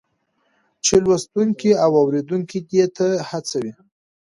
چې لوستونکی او اورېدونکی دې ته هڅوي